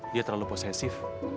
dia terlalu posesif